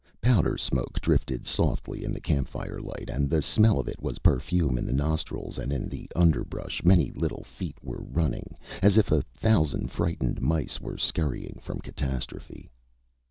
Powder smoke drifted softly in the campfire light and the smell of it was perfume in the nostrils and in the underbrush many little feet were running, as if a thousand frightened mice were scurrying from catastrophe.